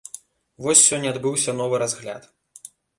Вось сёння адбыўся новы разгляд.